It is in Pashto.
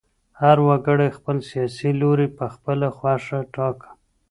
هر وګړي خپل سیاسي لوری په خپله خوښه ټاکه.